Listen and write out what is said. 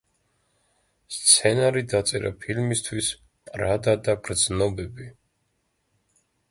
სცენარი დაწერა ფილმისთვის „პრადა და გრძნობები“.